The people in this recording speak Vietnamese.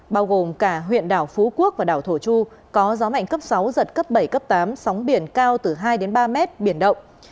bao gồm cả huyện đảo phú quốc và đảo thổ chu có gió mạnh cấp sáu giật cấp bảy cấp tám sóng biển cao từ hai ba mét biển động